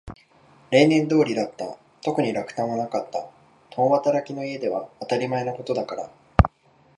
例年通りだった。特に落胆はなかった。共働きの家では当たり前のことだから。